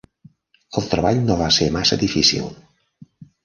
El treball no va ser massa difícil.